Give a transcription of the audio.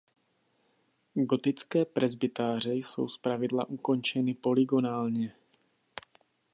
Gotické presbytáře jsou zpravidla ukončeny polygonálně.